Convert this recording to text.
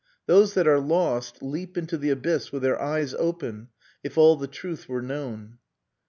Those that are lost leap into the abyss with their eyes open, if all the truth were known."